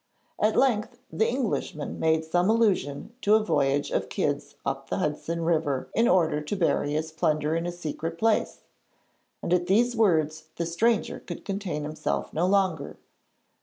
At length the Englishman made some allusion to a voyage of Kidd's up the Hudson river in order to bury his plunder in a secret place, and at these words the stranger could contain himself no longer.